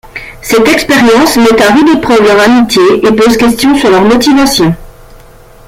Cette expérience met à rude épreuve leur amitié et pose question sur leur motivation.